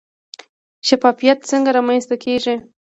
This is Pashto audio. شفافیت څنګه رامنځته کیږي؟